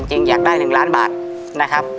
จริงอยากได้๑ล้านบาทนะครับ